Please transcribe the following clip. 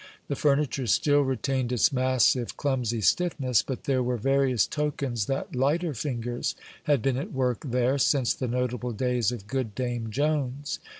The furniture still retained its massive, clumsy stiffness, but there were various tokens that lighter fingers had been at work there since the notable days of good Dame Jones.